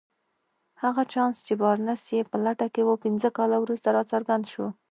هغه چانس چې بارنس يې په لټه کې و پنځه کاله وروسته راڅرګند شو.